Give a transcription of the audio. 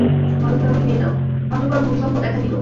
অতঃপর ভূমিকম্প দেখা দিল।